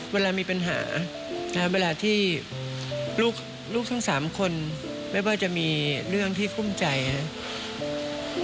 เวลามีปัญหาและเวลาที่ลูกทั้งสามคนไม่ว่าจะมีเรื่องที่ภูมิใจนะครับ